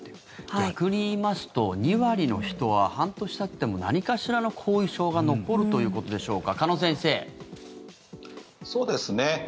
逆に言いますと２割の人は半年たっても何かしらの後遺症が残るということでしょうか。